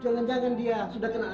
jangan jangan dia sudah kena